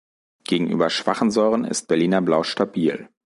Gegenüber schwachen Säuren ist Berliner Blau stabil.